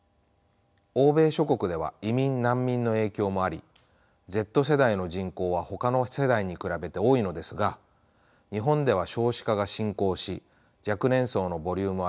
欧米諸国では移民・難民の影響もありＺ世代の人口はほかの世代に比べて多いのですが日本では少子化が進行し若年層のボリュームは減り続けています。